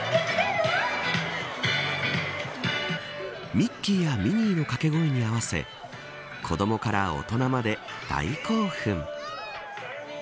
ミッキーやミニーの掛け声に合わせ子どもから大人まで大興奮。